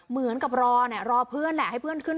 เหมือนกับรอเนี่ย